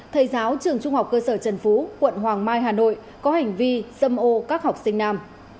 thầy giáo trường trung học cơ sở trần phú quận hoàng mai hà nội có hành vi dâm ô các học sinh nam